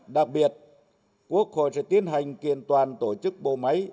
đặc biệt quốc hội sẽ tiến hành kiện toàn tổ chức bộ máy